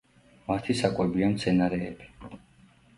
მათი საკვებია მცენარეები.